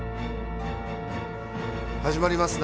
始まりますな。